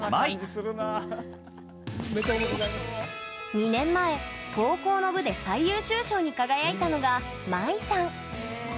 ２年前高校の部で最優秀賞に輝いたのがまいさん。